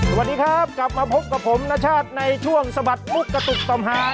สวัสดีครับกลับมาพบกับผมนชาติในช่วงสะบัดมุกกระตุกต่อมหา